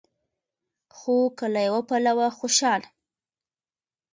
خو که له يوه پلوه خوشال